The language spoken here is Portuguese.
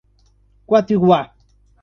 Quatiguá